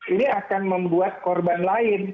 ini akan membuat korban lain